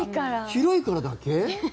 広いからだけ？